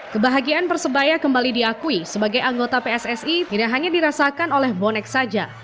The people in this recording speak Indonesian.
kebahagiaan persebaya kembali diakui sebagai anggota pssi tidak hanya dirasakan oleh bonek saja